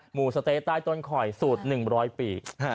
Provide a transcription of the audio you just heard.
หมูสะเต๊ะใต้ต้นคอยสูตร๑๐๐ปี